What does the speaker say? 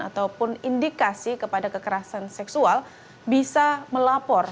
ataupun indikasi kepada kekerasan seksual bisa melapor